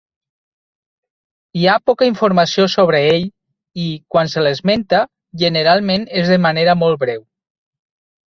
Hi ha poca informació sobre ell i, quan se l'esmenta, generalment és de manera molt breu.